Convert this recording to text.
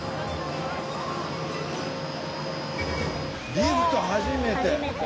リフト初めて？